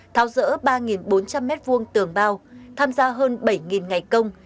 thao dỡ ba bốn trăm linh m hai tường bao tham gia hơn bảy ngày công